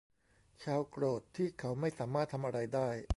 ชาร์ลโกรธที่เขาไม่สามารถทำอะไรได้